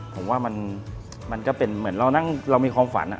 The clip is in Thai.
ผมว่ามันก็เป็นเหมือนเรานั่งเรามีความฝัน